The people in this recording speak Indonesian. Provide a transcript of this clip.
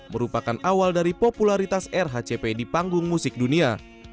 merupakan awal dari popularitas rhcp di panggung musik dunia